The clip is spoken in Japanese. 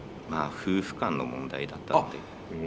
まあ夫婦間の問題だったので。